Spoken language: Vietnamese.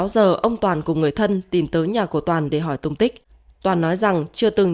một mươi sáu giờ ông toàn cùng người thân tìm tới nhà của toàn để hỏi tung tích toàn nói rằng chưa từng